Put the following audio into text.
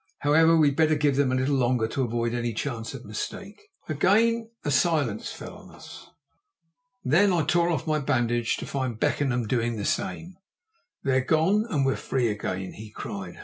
"However, we'd better give them a little longer, to avoid any chance of mistake." Again a silence fell on us. Then I tore off my bandage, to find Beckenham doing the same. "They're gone, and we're free again," he cried.